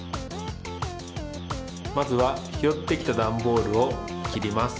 まずはひろってきたダンボールをきります。